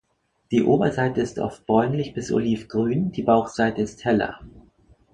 Die Oberseite ist oft bräunlich bis olivgrün, die Bauchseite ist heller.